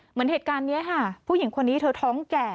เหมือนเหตุการณ์นี้ค่ะผู้หญิงคนนี้เธอท้องแก่